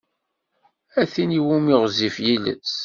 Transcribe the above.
A tid iwumi ɣezzif yiles!